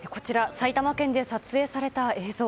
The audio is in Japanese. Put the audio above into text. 埼玉県で撮影された映像。